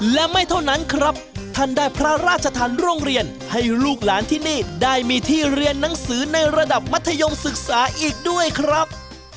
และไม่เท่านั้นครับท่านได้พระราชทานโรงเรียนให้ลูกหลานที่นี่ได้มีที่เรียนหนังสือในระดับมัธยมศึกษาอีกด้วยครับ